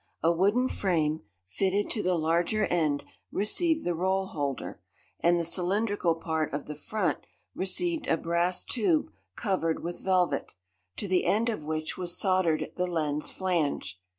A wooden frame, fitted to the larger end, received the roll holder, and the cylindrical part of the front received a brass tube covered with velvet, to the end of which was soldered the lens flange.